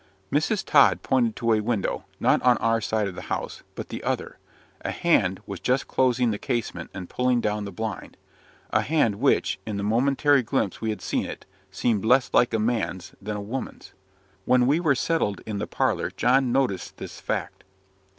Mrs. Tod pointed to a window not on our side of the house, but the other. A hand was just closing the casement and pulling down the blind a hand which, in the momentary glimpse we had of it, seemed less like a man's than a woman's. When we were settled in the parlour John noticed this fact.